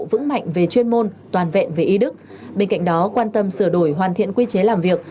vững mạnh về chuyên môn toàn vẹn về y đức bên cạnh đó quan tâm sửa đổi hoàn thiện quy chế làm việc